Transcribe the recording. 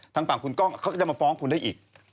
ทางฝั่งคุณกล้องเขาก็จะมาฟ้องคุณได้อีก